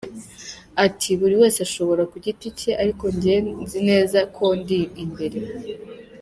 Ati “Buri wese ashobora ku giti cye ariko njyewe nzi neza ko ndi imbere.